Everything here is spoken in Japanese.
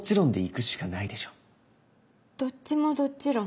どっちもどっち論？